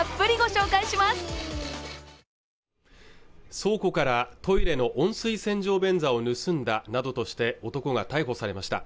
倉庫からトイレの温水洗浄便座を盗んだなどとして男が逮捕されました